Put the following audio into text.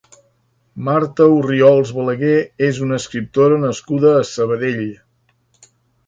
Marta Orriols Balaguer és una escriptora nascuda a Sabadell.